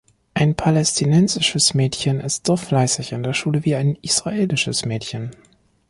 Ein palästinensisches Mädchen ist so fleißig in der Schule wie ein israelisches Mädchen.